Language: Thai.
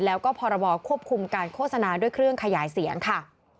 แล้วก็พรบควบคุมการโฆษณาด้วยเครื่องขยายเสียงค่ะ